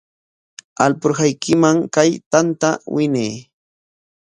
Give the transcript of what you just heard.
Alpurhaykiman kay tanta winay.